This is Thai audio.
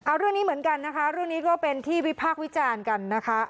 เอาเรื่องนี้เหมือนกันนะคะเรื่องนี้ก็เป็นที่วิพากษ์วิจารณ์กันนะคะ